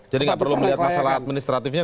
jadi tidak perlu melihat masalah administratifnya